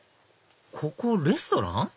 ここレストラン？